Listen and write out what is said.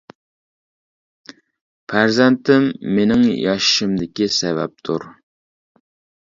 پەرزەنتىم مېنىڭ ياشىشىمدىكى سەۋەبتۇر.